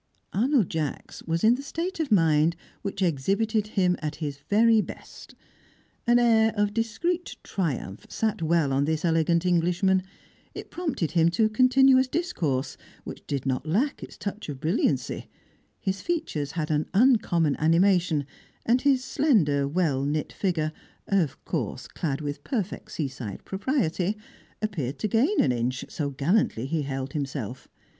Arnold Jacks was in the state of mind which exhibited him at his very best. An air of discreet triumph sat well on this elegant Englishman; it prompted him to continuous discourse, which did not lack its touch of brilliancy; his features had an uncommon animation, and his slender, well knit figure of course clad with perfect seaside propriety appeared to gain an inch, so gallantly he held himself.